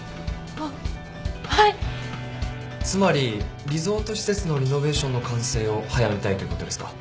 つまりリゾート施設のリノベーションの完成を早めたいということですか？